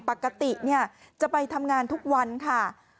ปกติจะไปทำงานทุกวันค่ะ